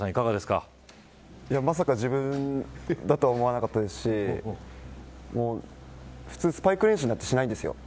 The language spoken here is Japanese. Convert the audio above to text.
まさか自分だと思わなかったですし普通、スパイク練習なんてしないんですよ。